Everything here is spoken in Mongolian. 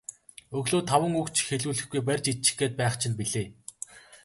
Өглөө таван үг ч хэлүүлэхгүй барьж идчих гээд байх чинь билээ.